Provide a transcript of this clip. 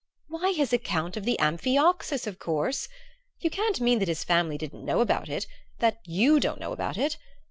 "Why, his account of the amphioxus, of course! You can't mean that his family didn't know about it that you don't know about it?